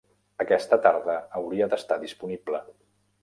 Aquesta tarda hauria d'estar disponible.